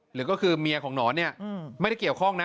หรือก็คือเมียของหนอนเนี่ยไม่ได้เกี่ยวข้องนะ